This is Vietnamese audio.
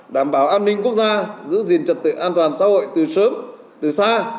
đảm bảo an ninh quốc gia giữ gìn trật tự an toàn xã hội từ sớm từ xa